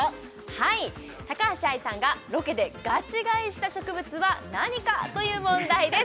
はい高橋愛さんがロケでガチ買いした植物は何かという問題です